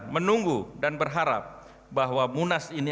menunggu dan berharap bahwa munas ini